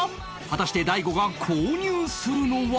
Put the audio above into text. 果たして大悟が購入するのは？